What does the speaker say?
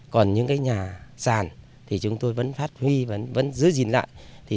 còn những nhà sàn chúng tôi vẫn phát huy vẫn giữ gìn lại